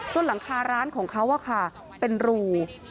หลังคาร้านของเขาเป็นรู